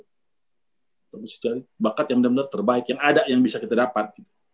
kita mesti cari bakat yang benar benar terbaik yang ada yang bisa kita dapat